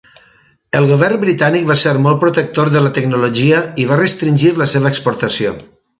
El govern britànic va ser molt protector de la tecnologia i va restringir la seva exportació.